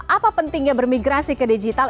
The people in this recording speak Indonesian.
apa pentingnya bermigrasi ke digital